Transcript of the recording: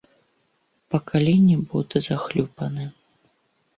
Па калені боты захлюпаны.